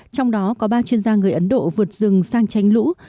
trong đó có ba chuyên gia người ấn độ vượt rừng sang tránh lũ